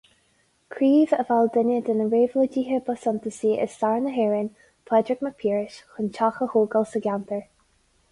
Craobh a mheall duine de na réabhlóidithe ba suntasaí i stair na hÉireann, Pádraig Mac Piarais, chun teach a thógáil sa gceantar.